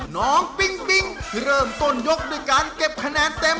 น้องปิ๊งปิ๊งที่เริ่มต้นยกโดยการเก็บคะแนะเต็ม